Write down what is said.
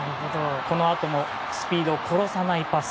このあともスピードを殺さないパス